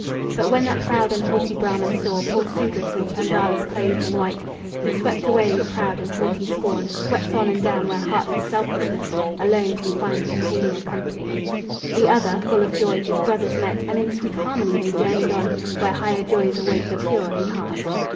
But when that proud and haughty Brahman saw Poor Sudras and Chandalas clothed in white, He swept away with proud and haughty scorn, Swept on and down where heartless selfishness Alone can find congenial company. The other, full of joy, his brothers met, And in sweet harmony they journeyed on Where higher joys await the pure in heart.